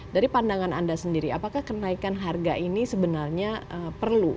dari pandangan anda sendiri apakah kenaikan harga ini sebenarnya perlu